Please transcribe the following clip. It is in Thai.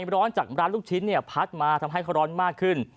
ร้อนของลูกชิ้นพัดมาทำให้ข้อร้อนมากขึ้น